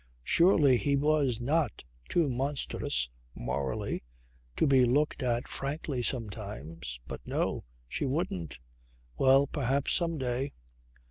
Surely he was not too monstrous (morally) to be looked at frankly sometimes. But no! She wouldn't. Well, perhaps, some day